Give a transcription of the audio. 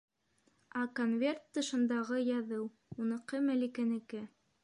Ә конверт тышындағы яҙыу - уныҡы, Мәликәнеке...